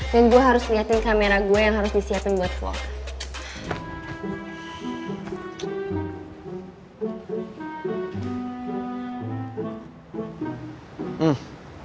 dan gue harus liatin kamera gue yang harus disiapin buat vlog